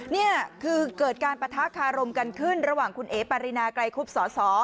นี่คือเกิดการปะทะคารมกันขึ้นระหว่างคุณเอ๋ปารินาไกรคุบสส